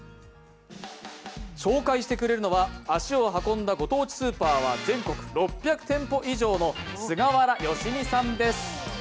紹介してくれるのは足を運んだご当地スーパーは全国６００店舗以上の菅原佳己さんです。